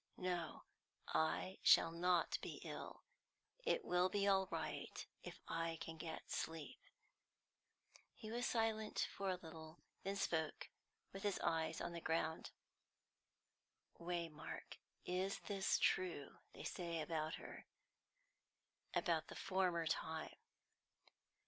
"No, I shall not be ill. It will be all right if I can get sleep." He was silent for a little, then spoke, with his eyes on the ground. "Waymark, is this true they say about her about the former time?"